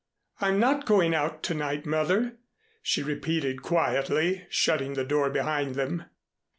"I'm not going out to night, Mother," she repeated quietly, shutting the door behind them.